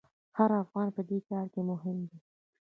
هر افغان په دې کار کې مهم دی.